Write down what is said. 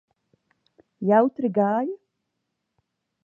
Jautri gāja?